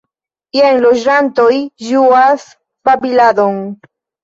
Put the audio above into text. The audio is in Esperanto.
Jen loĝantoj ĝuas babiladon.